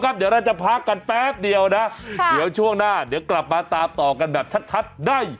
เดี๋ยวเราจะพักกันแป๊บเดียวนะเดี๋ยวช่วงหน้าเดี๋ยวกลับมาตามต่อกันแบบชัดได้